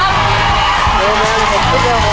๔นะครับ